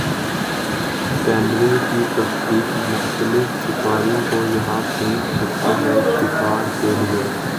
تیندوے کی تصدیق مختلف شکاریوں کو یہاں کھینچ سکتی ہے شکار کے لیے